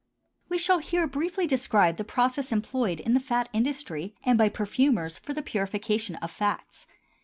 We shall here briefly describe the process employed in the fat industry and by perfumers for the purification of fats.